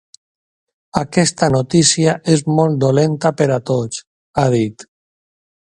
"Aquesta notícia és molt dolenta per a tots", ha dit.